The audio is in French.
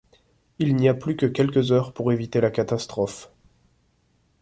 Il n'y a plus que quelques heures pour éviter la catastrophe...